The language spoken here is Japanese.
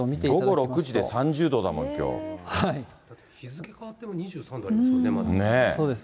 午後６時で３０度だもん、日付変わっても２３度ありまそうです。